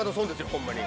ほんまに。